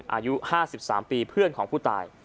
อายุ๕๓ปีเพื่อนของผู้ตาย